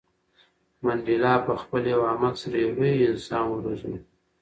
منډېلا په خپل یو عمل سره یو لوی انسان وروزلو.